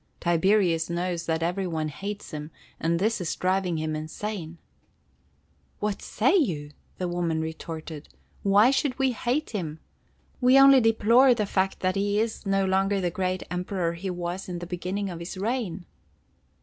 "Tiberius knows that every one hates him, and this is driving him insane." "What say you?" the woman retorted. "Why should we hate him? We only deplore the fact that he is no longer the great Emperor he was in the beginning of his reign."